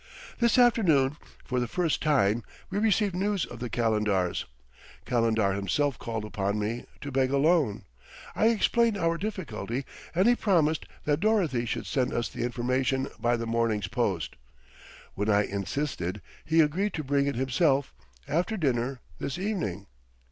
"This afternoon, for the first time, we received news of the Calendars. Calendar himself called upon me, to beg a loan. I explained our difficulty and he promised that Dorothy should send us the information by the morning's post. When I insisted, he agreed to bring it himself, after dinner, this evening....